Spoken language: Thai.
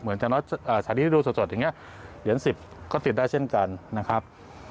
สถานีที่ดูสดอย่างนี้เหรียญ๑๐ก็ติดได้เช่นกันนะครับ